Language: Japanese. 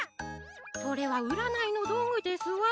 それはうらないのどうぐですわ！